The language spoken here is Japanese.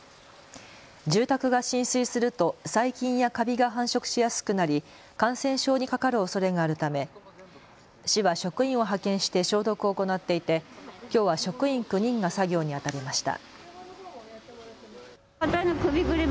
住宅が浸水すると細菌やカビが繁殖しやすくなり感染症にかかるおそれがあるため市は職員を派遣して消毒を行っていてきょうは職員９人が作業にあたりました。